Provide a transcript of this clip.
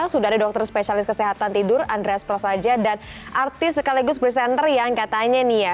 sudah ada dokter spesialis kesehatan tidur andreas prasaja dan artis sekaligus presenter yang katanya nih ya